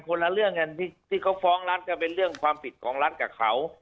คนละเรื่องกันที่เขาฟ้องรัฐก็เป็นเรื่องความผิดของรัฐกับเขา